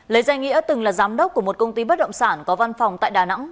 lấy danh nghĩa từng là giám đốc của một công ty bất động sản có văn phòng tại đà nẵng